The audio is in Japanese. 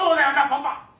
パパ！